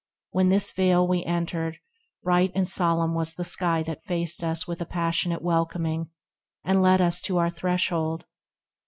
When this vale We entered, bright and solemn was the sky That faced us with a passionate welcoming, And led us to our threshold.